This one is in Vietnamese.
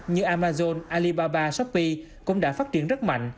như amazon alibaba shopee cũng đã phát triển rất mạnh